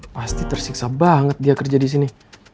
pasti tersiksa banget dia kerja disini